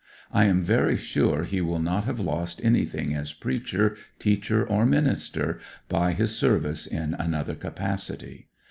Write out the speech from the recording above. I am very sure he will not have lost anything as preacher, teacher, or minister by his service in another capacity.